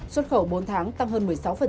xuất khẩu bốn tháng tăng hơn một mươi sáu